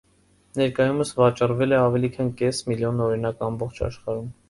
Ներկայումս վաճառվել է ավելի քան կես միլիոն օրինակ ամբողջ աշխարհում։